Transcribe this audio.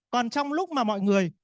còn trong lúc mà mọi người